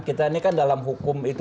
kita ini kan dalam hukum itu